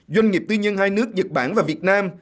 doanh nghiệp tư nhân hai nước nhật bản và việt nam